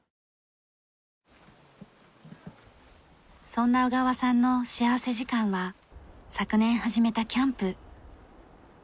そんな小川さんの幸福時間は昨年始めたキャンプ。